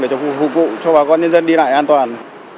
để phục vụ cho bà con nhân dân đi lại an toàn